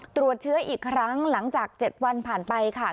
ตรวจเชื้ออีกครั้งหลังจาก๗วันผ่านไปค่ะ